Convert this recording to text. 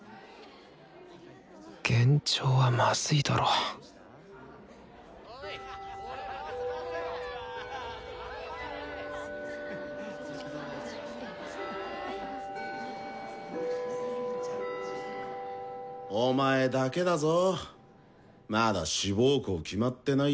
幻聴はまずいだろお前だけだぞまだ志望校決まってない奴。